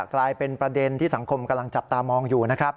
กลายเป็นประเด็นที่สังคมกำลังจับตามองอยู่นะครับ